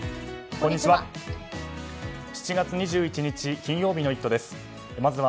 こんにちは。